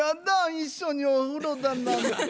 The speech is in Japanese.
一緒にお風呂だなんて。